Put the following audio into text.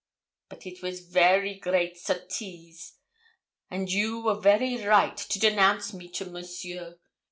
But it was very great sottise, and you were very right to denounce me to Monsieur.